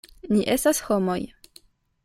Ni estas homoj.